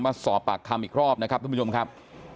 มาสอบปากคำอีกรอบนะครับทุกผู้ชมครับ